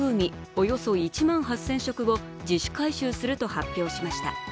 およそ１万８０００食を自主回収すると発表しました。